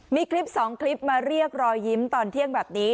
มีคลิป๒คลิปมาเรียกรอยยิ้มตอนเที่ยงแบบนี้